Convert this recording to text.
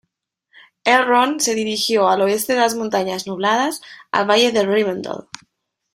Elrond se dirigió al oeste de las Montañas Nubladas, al valle de Rivendel.